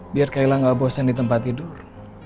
biar kayla gak bosen di tempat tidur